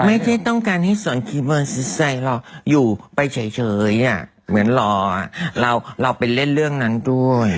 ไม่ใช่ต้องการให้สอนขี่มอเตอร์ไซค์รออยู่ไปเฉยอ่ะเหมือนรอเราไปเล่นเรื่องนั้นด้วย